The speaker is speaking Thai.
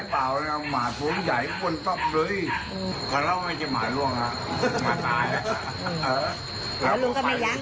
แล้วลุงก็ไม่ยั้งต้องอีกแจลุงก็เอาไปเรื่องเอง